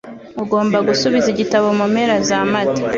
Ugomba gusubiza igitabo mu mpera za Mata.